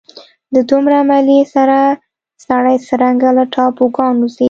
د دومره عملې سره سړی څرنګه له ټاپوګانو ځي.